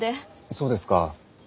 そうですか。